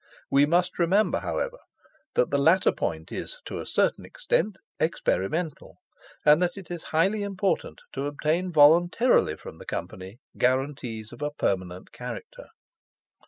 We must remember, however, that this latter point is, to a certain extent, experimental, and that it is highly important to obtain voluntarily from the Company guarantees of a permanent character.